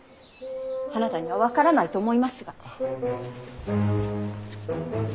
あなたには分からないと思いますが。